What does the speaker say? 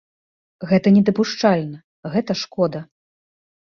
Гэта недапушчальна, гэта шкода.